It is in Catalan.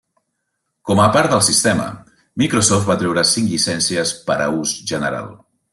Com a part del sistema, Microsoft va treure cinc llicències per a ús general.